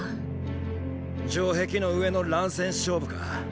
城壁の上の乱戦勝負か。